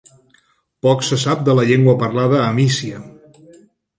Poc se sap de la llengua parlada a Mísia.